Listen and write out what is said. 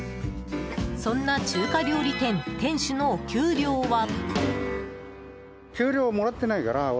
そんな中華料理店店主のお給料は。